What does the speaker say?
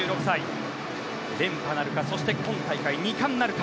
連覇なるかそして今大会２冠なるか。